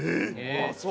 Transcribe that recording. ああそう！